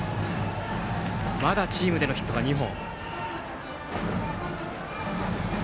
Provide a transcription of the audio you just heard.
まだチームでのヒットは２本。